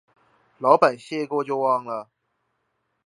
老闆謝過就忘了